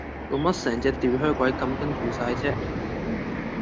做乜成隻吊靴鬼咁跟住哂啫